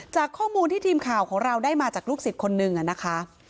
จากข้อมูลที่ทีมข่าวของเราได้มาจากลูกศิษย์คนนึงนะคะ